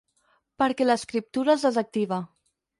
Perquè l'escriptura els desactiva.